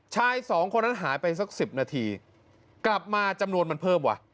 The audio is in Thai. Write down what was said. ชายสองคนนั้นหายไปสัก๑๐นาทีกลับมาจำนวนมันเพิ่มว่ะ